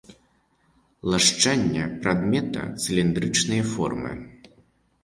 Лашчанне прадмета цыліндрычнае формы.